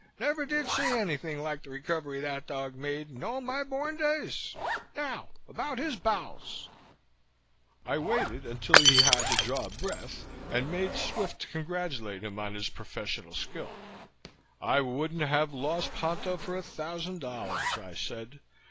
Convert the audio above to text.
Never did see anything like the recovery that dog made in all my born days. Now about his bowels " I waited until he had to draw a breath and made swift to congratulate him on his professional skill. "I wouldn't have lost Ponto for a thousand dollars," I said.